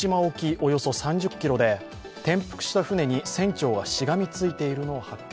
およそ３０ｋｍで転覆した船に船長がしがみついているのを発見。